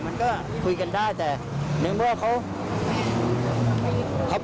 มันก็คุยกันได้แต่ในเมื่อเขา